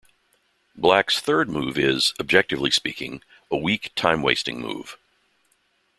Black's third move is, objectively speaking, a weak, time-wasting move.